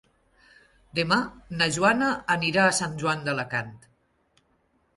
Demà na Joana anirà a Sant Joan d'Alacant.